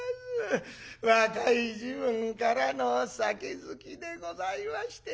若い時分からの酒好きでございましてな